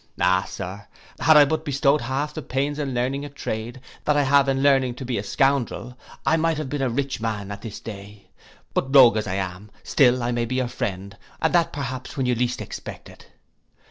Ah sir, had I but bestowed half the pains in learning a trade, that I have in learning to be a scoundrel, I might have been a rich man at this day. But rogue as I am, still I may be your friend, and that perhaps when you least expect it.